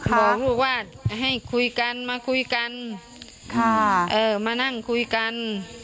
บอกลูกว่าให้คุยกันมาคุยกันมานั่งคุยกัน